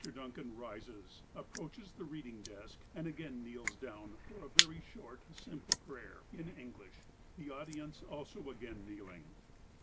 Duncan rises, approaches the reading desk, and again kneels down for a very short, simple prayer in English, the audience also again kneeling.